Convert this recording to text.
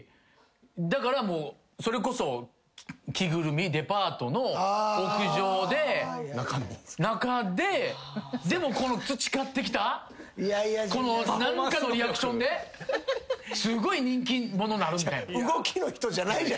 だからもうそれこそ着ぐるみデパートの屋上で中ででも培ってきた何かのリアクションですごい人気者なるみたいな。